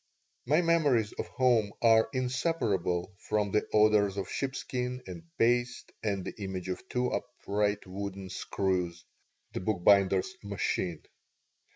My memories of home are inseparable from the odors of sheepskin and paste and the image of two upright wooden screws (the bookbinder's "machine").